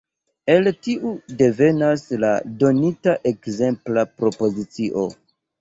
El tiu devenas la donita ekzempla propozicio.